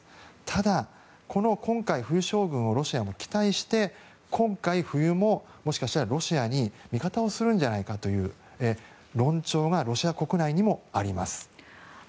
ただ、この今回冬将軍をロシアも期待して今回、冬ももしかしたらロシアに味方をするんじゃないかという論調がロシア国内にもあります。